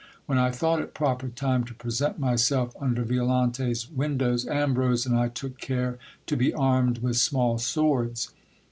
When I thought it proper time to present myself under Violante's windows, Ambrose and I took care to be armed with small swords.